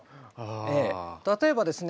例えばですね